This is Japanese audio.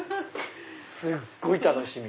すっごい楽しみ！